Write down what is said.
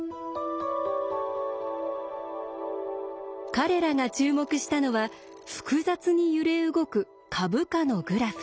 彼らが注目したのは複雑に揺れ動く株価のグラフ。